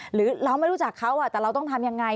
หรือเราไม่รู้จักเขาแต่เราต้องทำยังไง